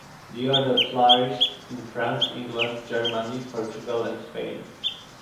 The order flourished in France, England, Germany, Portugal, and Spain.